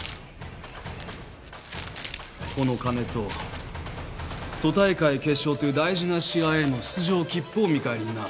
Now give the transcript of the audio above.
この金と都大会決勝という大事な試合への出場切符を見返りにな。